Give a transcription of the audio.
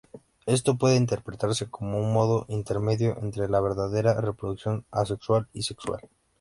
Esto puede interpretarse como un modo intermedio entre la verdadera reproducción asexual y sexual.